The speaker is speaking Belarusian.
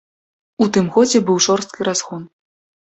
У тым годзе быў жорсткі разгон.